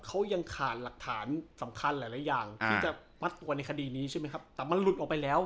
เขายังขาดหลักฐานสำคัญหลายอย่างที่จะมัดตัวในคดีนี้ถ้ามันอะรุดออกไปแล้ว